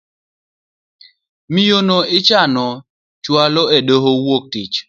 Miyono ichano chual edoho wuok tich.